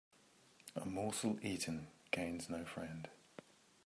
A morsel eaten gains no friend.